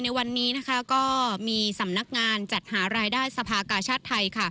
ในวันนี้ก็มีสำนักงานจัดหารายได้สภากาชาติไทย